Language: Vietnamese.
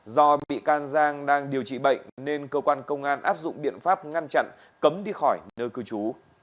do bị can giang đang điều trị bệnh nên cơ quan công an áp dụng biện pháp ngăn chặn cấm đi khỏi nơi cư trú